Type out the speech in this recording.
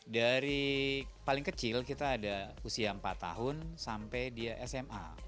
dari paling kecil kita ada usia empat tahun sampai dia sma